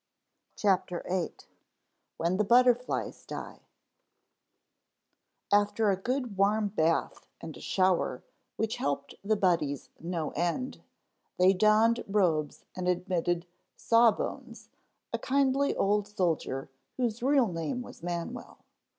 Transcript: CHAPTER VIII. WHEN THE BUTTERFLIES DIE After a good warm bath and a shower which helped the Buddies no end, they donned robes and admitted "Sawbones," a kindly old soldier whose real name was Manwell.